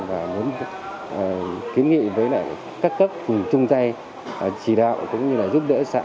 và muốn kiến nghị với các cấp cùng chung tay chỉ đạo cũng như là giúp đỡ xã